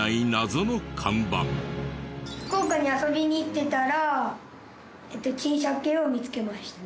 福岡に遊びに行ってたら珍百景を見つけました。